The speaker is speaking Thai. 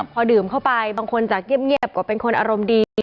พอดื่มเข้าไปบางคนจากเงียบก็เป็นคนอารมณ์ดี